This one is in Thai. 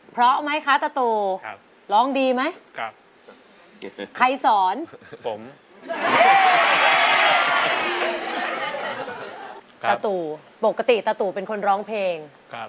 ปกติตาตูเป็นคนร้องเพลง